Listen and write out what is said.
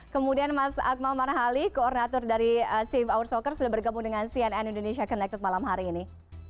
kemudian mas akmal marhali koordinator dari save our soccer sudah bergabung dengan cnn indonesia connected malam hari ini